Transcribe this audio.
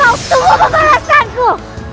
kau tunggu pembalasanku